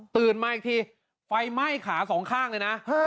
มาอีกทีไฟไหม้ขาสองข้างเลยนะ